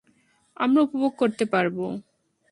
আমরা উপভোগ করতে পারব।